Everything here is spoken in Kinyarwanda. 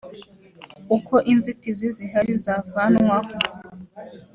uko inzitizi zihari zavanwaho